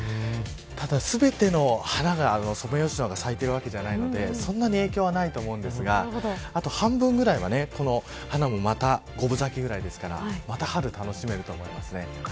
ただ、全てのソメイヨシノが咲いているわけじゃないのでそんなに影響はないと思うんですけどあと半分ぐらいはこの花も五分咲きぐらいですからまた春、楽しめると思います。